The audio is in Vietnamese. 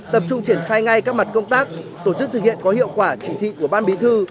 tập trung triển khai ngay các mặt công tác tổ chức thực hiện có hiệu quả chỉ thị của ban bí thư